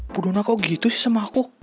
bu dona kok gitu sih sama aku